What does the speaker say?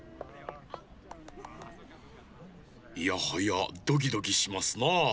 いやはやドキドキしますなあ。